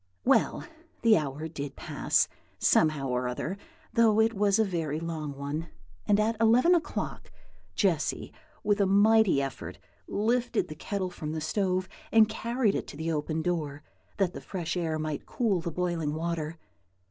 Well, the hour did pass, somehow or other, though it was a very long one; and at eleven o'clock, Jessy, with a mighty effort, lifted the kettle from the stove and carried it to the open door, that the fresh air might cool the boiling water.